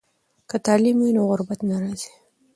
که تعلیم وي نو غربت نه راځي.